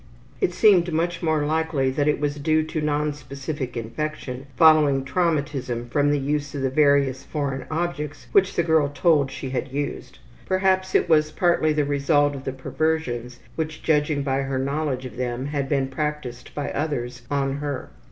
It seemed much more likely that it was due to nonspecific infection following traumatism from the use of the various foreign objects which the girl told she had used. Perhaps it was partly the result of the perversions which, judging by her knowledge of them, had been practiced by others on her.